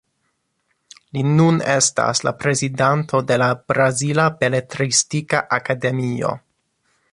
Li nun estas la prezidanto de la Brazila Beletristika Akademio.